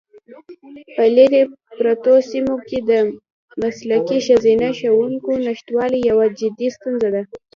په لیرې پرتو سیمو کې د مسلکي ښځینه ښوونکو نشتوالی یوه جدي ستونزه ده.